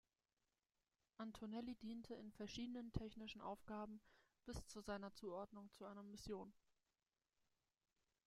Antonelli diente in verschiedenen technischen Aufgaben bis zu seiner Zuordnung zu einer Mission.